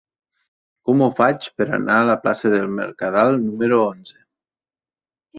Com ho faig per anar a la plaça del Mercadal número onze?